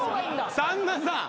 さんまさん！